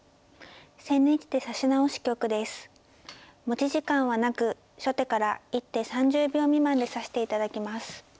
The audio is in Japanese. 持ち時間はなく初手から一手３０秒未満で指していただきます。